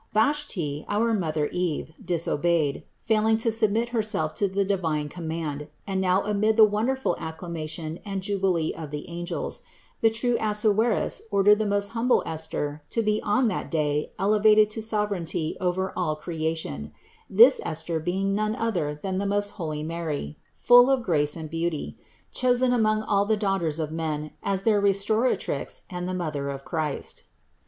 Vashti, our mother Eve, disobeyed, failing to submit herself to the divine command, and now amid the wonderful acclama tion and jubilee of the angels, the true Assuerus ordered the most humble Esther to be on that day elevated to Sovereignty over all creation, this Esther being none other than the most holy Mary, full of grace and beauty, chosen among all the daughters of men as their Restor atrix and the Mother of his Christ.